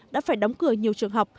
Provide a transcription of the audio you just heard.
đã phải đóng cửa nhiều trường học